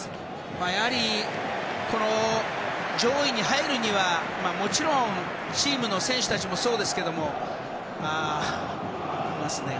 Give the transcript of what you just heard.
やはり、上位に入るにはもちろん、チームの選手たちもそうですけれども。